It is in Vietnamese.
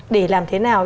để làm thế nào